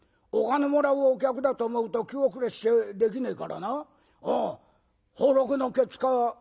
お金もらうお客だと思うと気後れしてできねえからな焙烙のけつから。